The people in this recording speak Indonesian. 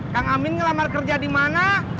kang amin ngelamar kerja di mana